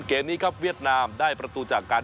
เกมนี้ครับเวียดนามได้ประตูจากการ